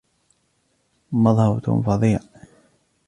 مظهر توم فظيع.